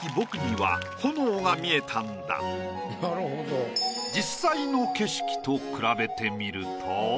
タイトル実際の景色と比べてみると。